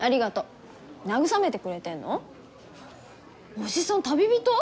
おじさん旅人？